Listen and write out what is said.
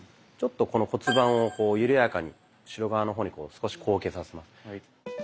ちょっとこの骨盤を緩やかに後ろ側の方にこう少し後傾させます。